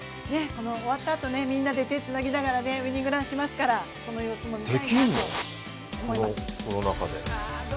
終わったあと、みんなで手をつなぎながらウィニングランをしますからその様子も見たいなと思います。